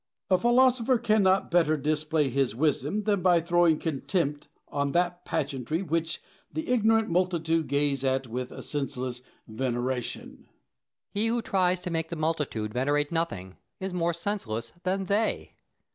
Diogenes. A philosopher cannot better display his wisdom than by throwing contempt on that pageantry which the ignorant multitude gaze at with a senseless veneration. Plato. He who tries to make the multitude venerate nothing is more senseless than they.